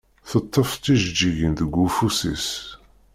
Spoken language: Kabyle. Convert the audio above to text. Teṭṭef tijeǧǧigin deg ufus-is.